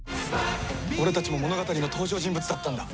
俺たちも物語の登場人物だったんだ！